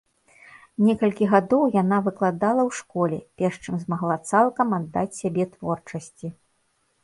Некалькі гадоў яна выкладала ў школе, перш чым змагла цалкам аддаць сябе творчасці.